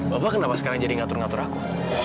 bapak kenapa sekarang jadi ngatur ngatur aku